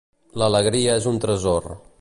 L'alegria és un tresor.